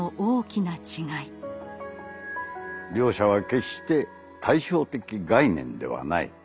「両者は決して対称的概念ではない。